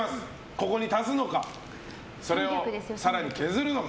ここに足すのかそれを更に削るのか。